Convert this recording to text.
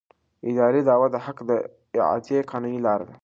اداري دعوه د حق د اعادې قانوني لاره ده.